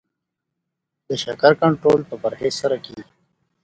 د شکر کنټرول په پرهیز سره کیږي.